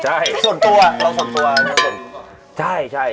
ใช่ส่วนตัวเราส่วนตัว